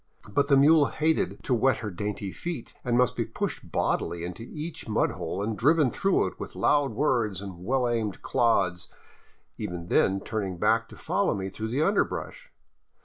But the mule hated to wet her dainty feet, and must be pushed bodily into each mud hole and driven through it with loud words and well aimed clods, even then often turning back to follow me through the underbrush.